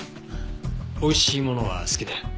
美味しいものは好きだよ。